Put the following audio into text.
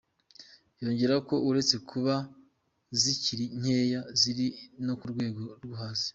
Yongeraho ko uretse kuba zikiri nkeya ziri no ku rwego rwo hasi.